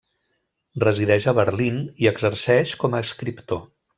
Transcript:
Resideix a Berlín i exerceix com a escriptor.